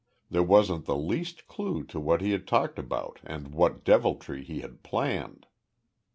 There wasn't the least clue to what he had talked about and what deviltry he had planned!